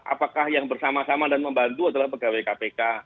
apakah yang bersama sama dan membantu adalah pegawai kpk